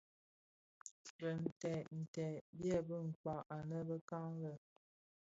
Bintèd nted byebi kpäg anë bekan lè.